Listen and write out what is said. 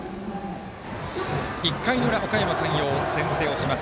１回の裏、おかやま山陽先制します。